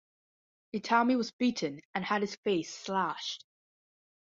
Itami was beaten and had his face slashed.